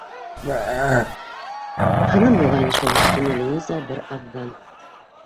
-Ҡыҙым булғайны шул, - тине Линиза бер аҙҙан.